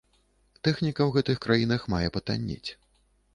Тэхніка ў гэтых краінах мае патаннець.